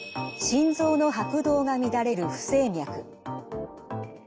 心臓の拍動が乱れる不整脈。